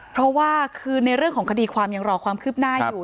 เพราะว่าคือในเรื่องของคดีความยังรอความคืบหน้าอยู่